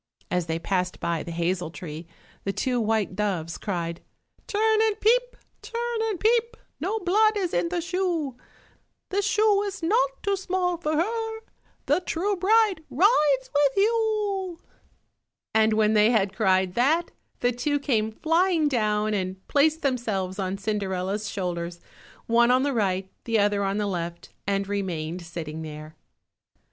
As they passed by the hazel tree, the two white doves cried— "Turn and peep, turn and peep, No blood is in the shoe, The shoe is not too small for her, The true bride rides with you," and when they had cried that, the two came flying down and placed themselves on Cinderella's shoulders, one on the right, the other on the left, and remained sitting there.